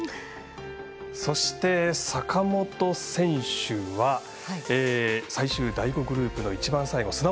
そして、坂本選手は最終第５グループの一番最後。